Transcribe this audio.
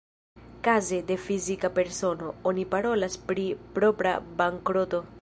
Kaze de fizika persono, oni parolas pri propra bankroto.